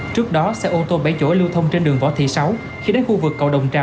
trước đó xe ô tô bảy chỗ lưu thông trên đường võ thị sáu khi đến khu vực cầu đồng trà